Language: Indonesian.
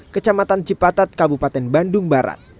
kecamatan cipatat kabupaten bandung barat